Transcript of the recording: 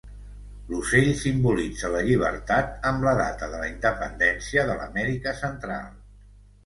L'ocell simbolitza la llibertat amb la data de la independència de l'Amèrica Central.